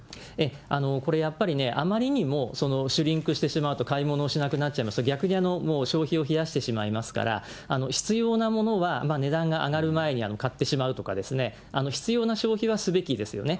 これやっぱりね、あまりにもシュリンクしてしまうと、買い物をしなくなっちゃいますと、逆にもう消費を冷やしてしまいますから、必要なものは値段が上がる前に買ってしまうとかですね、必要な消費はすべきですよね。